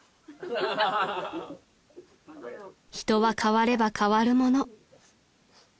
［人は変われば変わるもの］